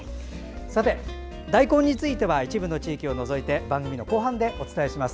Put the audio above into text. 大根については一部の地域を除いて番組の後半でお伝えします。